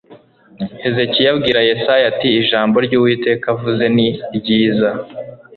hezekiya abwira yesaya ati ijambo ry'uwiteka avuze ni ryiza